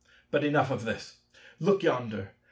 But enough of this. Look yonder.